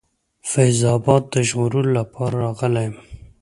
فیض آباد د ژغورلو لپاره راغلی یم.